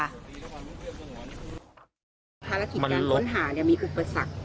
ภารกิจการค้นหามีอุปสรรค